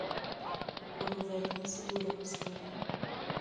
O couro velho não segura a costura.